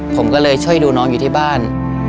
ผมก็เลยช่วยดูน้องอยู่ที่บ้าน